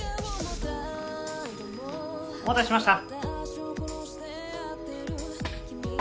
お待たせしました。